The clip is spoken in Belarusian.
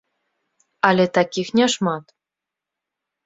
Але такіх не шмат.